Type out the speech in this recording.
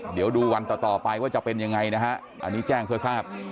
เดี๋ยวดูวันต่อไปว่าจะเป็นยังไงนะฮะอันนี้แจ้งเพื่อทราบ